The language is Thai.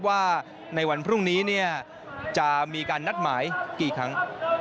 ว่าในวันพรุ่งนี้จะมีการนัดหมายกี่ครั้ง